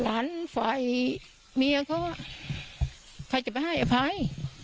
ฝ่ายเมียเขาใครจะไปให้อภัย